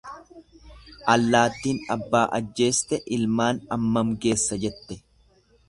Allaattin abbaa ajjeeste ilmaan ammam geessa jette.